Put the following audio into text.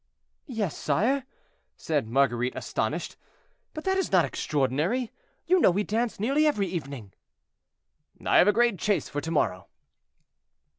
"Yes, sire," said Marguerite, astonished, "but that is not extraordinary; you know we dance nearly every evening." "I have a great chase for to morrow."